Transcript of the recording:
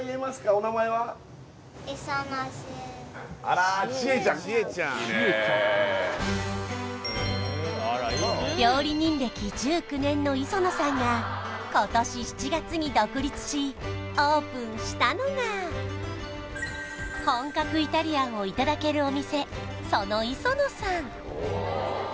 おっきいねえ料理人歴１９年の磯野さんが今年７月に独立しオープンしたのが本格イタリアンをいただけるお店ソノイソノさん